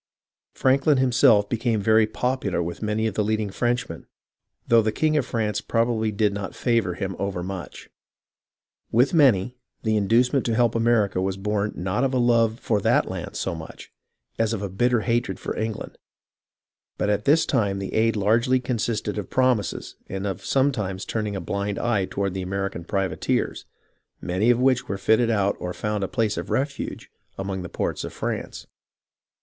Franklin himself became very popular with many of the leading Frenchmen, though the king of France probably did not favour him overmuch. With many the inducement to help America was born not of a love for that land so much as of a bitter hatred for England, but at this time the aid largely consisted of promises and of sometimes 1 60 PREPARING FOR A NEW CAMPAIGN l6l turning a blind eye^ toward the American privateers, many of which were fitted out or found a place of refuge among the ports of France.